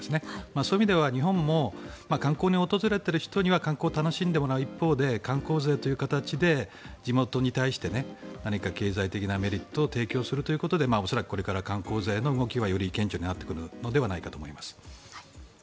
そういう意味で日本も観光に訪れている人には観光を楽しんでもらう一方で観光税という形で地元に対して何か経済的なメリットを提供するということで恐らくこれから観光税の動きはより顕著になってくるのではないかと思います。